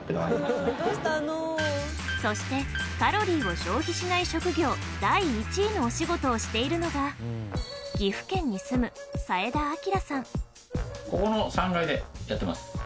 そしてカロリーを消費しない職業第１位のお仕事をしているのが岐阜県に住む佐枝玲さん